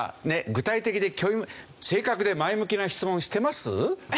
具体的で興味深い正確で前向きな質問してます？